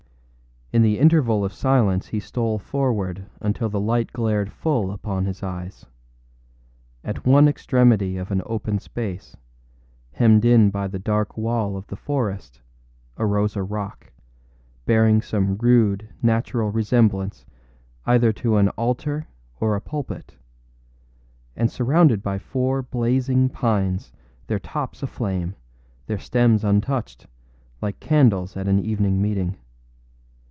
In the interval of silence he stole forward until the light glared full upon his eyes. At one extremity of an open space, hemmed in by the dark wall of the forest, arose a rock, bearing some rude, natural resemblance either to an altar or a pulpit, and surrounded by four blazing pines, their tops aflame, their stems untouched, like candles at an evening meeting.